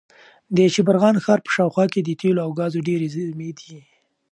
د شبرغان ښار په شاوخوا کې د تېلو او ګازو ډېرې زېرمې دي.